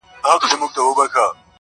o او مخ اړوي له خبرو تل,